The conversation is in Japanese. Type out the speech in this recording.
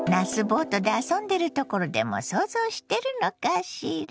ボートで遊んでるところでも想像してるのかしら？